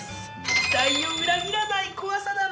期待を裏切らないこわさだな。